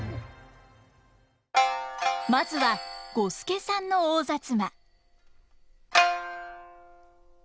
まずは五助さんの「大摩」。